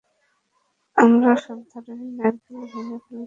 আমরা সব ধরণের নারকেল ভেঙে ফেলতে পারি।